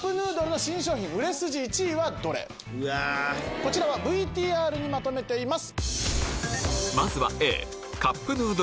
こちらＶＴＲにまとめています。